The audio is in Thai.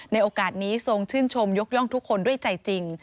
ในโอกาสนี้ทรงชื่นชมยกย่องทุกคนด้วยใจจริง